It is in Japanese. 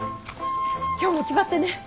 今日も気張ってね！